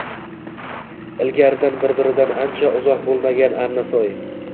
Ilgaridan bir-biridan uncha uzoq boʻlmagan Arnasoy